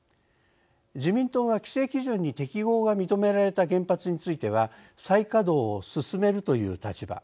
自民党は「規制基準に適合が認められた原発については再稼働を進める」という立場。